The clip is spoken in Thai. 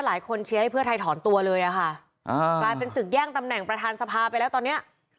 เชียร์ให้เพื่อไทยถอนตัวเลยอะค่ะกลายเป็นศึกแย่งตำแหน่งประธานสภาไปแล้วตอนเนี้ย